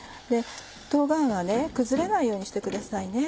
冬瓜は崩れないようにしてくださいね。